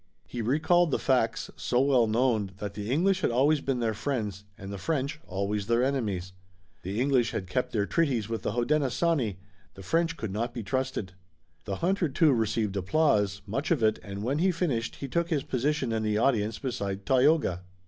He recalled the facts, so well known, that the English had always been their friends, and the French always their enemies. The English had kept their treaties with the Hodenosaunee, the French could not be trusted. The hunter, too, received applause, much of it, and when he finished he took his position in the audience beside Tayoga.